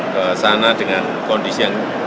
kesana dengan kondisi yang